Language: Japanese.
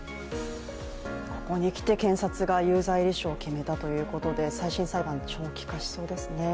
ここにきて検察が有罪立証を決めたということで再審裁判も長期化しそうですね。